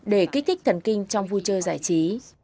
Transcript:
để kích thích thần kinh trong vui chơi giải trí